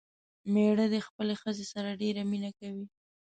مېړه دې خپلې ښځې سره ډېره مينه کوي